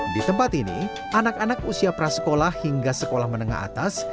di tempat ini anak anak usia prasekolah hingga sekolah menengah atas